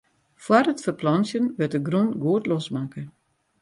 Fóár it ferplantsjen wurdt de grûn goed losmakke.